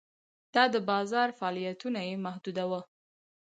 دا د بازار فعالیتونه یې محدوداوه.